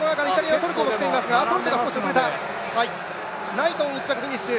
ナイトン１着フィニッシュ。